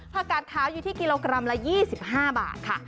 กาดขาวอยู่ที่กิโลกรัมละ๒๕บาทค่ะ